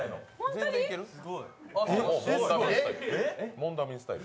モンダミンスタイル。